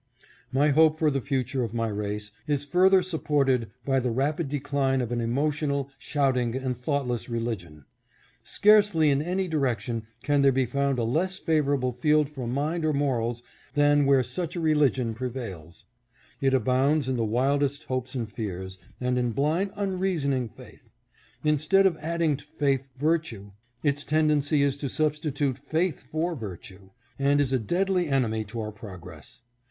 My hope for the future of my race is further supported by the rapid decline of an emotional, shouting, and thoughtless religion. Scarcely in any direction can there be found a less favorable field for mind or morals than where such a religion prevails. It abounds in the wildest hopes and fears, and in blind unreasoning faith. Instead of adding to faith virtue, its tendency is to substitute faith for virtue, and is a deadly enemy to our progress.